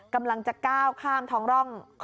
กำลังจะก้าวข้ามท้องร่อง